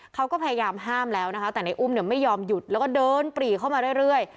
เขาก็พยายามห้ามแล้วนะคะแต่ในอุ้มเนี่ยไม่ยอมหยุดแล้วก็เดินปรีเข้ามาเรื่อย